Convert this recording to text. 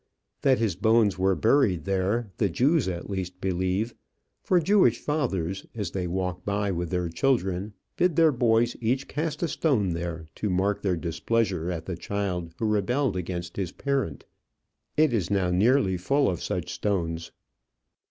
That his bones were buried there, the Jews at least believe; for Jewish fathers, as they walk by with their children, bid their boys each cast a stone there to mark their displeasure at the child who rebelled against his parent. It is now nearly full of such stones.